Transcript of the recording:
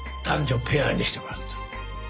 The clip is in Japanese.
男女ペアにしてもらったの。